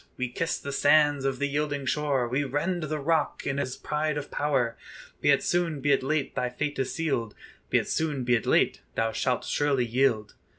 We kiss the sands of the yielding shore, We rend the rock in his pride of power: Be it soon, be it late, thy fate is sealed; Be it soon, be it late, thou shalt surely yield."